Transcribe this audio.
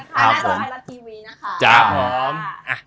ตอนนี้ก็ต้องฝากจากติดตามกับเราด้วย